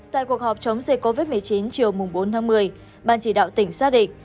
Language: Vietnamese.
tại cuộc họp chống dịch covid một mươi chín chiều bốn tháng một mươi ban chỉ đạo tỉnh xác định